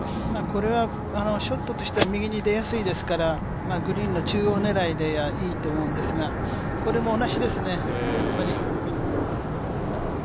これはショットとしては右に出やすいですからグリーンの中央狙いでいいと思うんですがこれも同じですね。